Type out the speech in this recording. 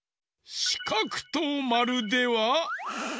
しかくとまるでは？